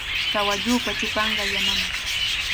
Kawalluupa chupanqa yanami.